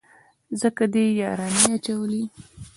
ځکه دې يارانې اچولي.